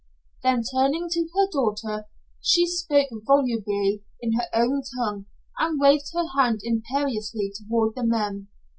Then turning to her daughter she spoke volubly in her own tongue, and waved her hand imperiously toward the men.